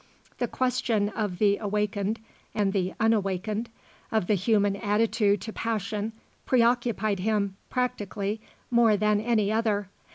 The question of the awakened and the unawakened, of the human attitude to passion, preoccupied him, practically, more than any other.